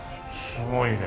すごいね。